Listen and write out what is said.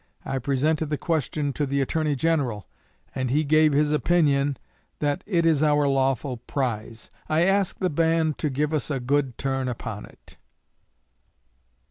I presented the question to the Attorney General, and he gave his opinion that it is our lawful prize. I ask the band to give us a good turn upon it.